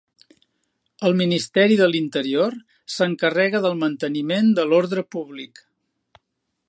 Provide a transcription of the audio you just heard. El Ministeri de l'Interior s'encarrega del manteniment de l'ordre públic.